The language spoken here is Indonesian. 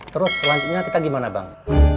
terus selanjutnya kita gimana bang